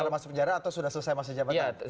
sudah masuk penjara atau sudah selesai masa jabatan